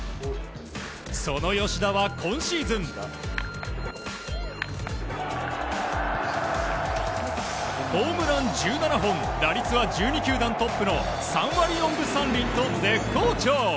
その吉田は、今シーズンホームラン１７本打率は１２球団トップの３割４分３厘と絶好調。